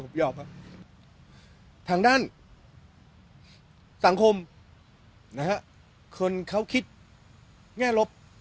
ผมยอมครับทางด้านสังคมนะฮะคนเขาคิดแง่ลบ